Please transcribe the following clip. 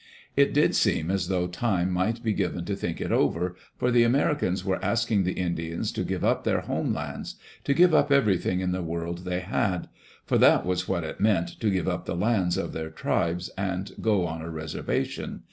It did seem as though time might be given to think it over, for the Americans were asking the Indians to give up their home lands, to give up everything in the world they had; for that was what it meant to give up the lands of their tribes and go on a reservation.